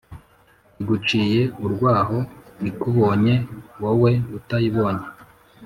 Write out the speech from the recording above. iguciye urwaho: ikubonye wowe utayibonye.